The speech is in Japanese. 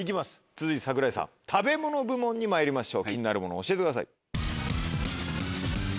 続いて櫻井さん食べ物部門にまいりましょう気になるものを教えてください。